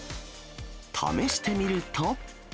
試してみると。